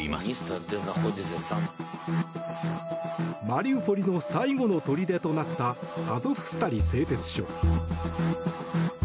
マリウポリの最後の砦となったアゾフスタリ製鉄所。